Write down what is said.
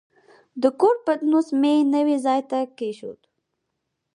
د کور پتنوس مې نوي ځای ته کېښود.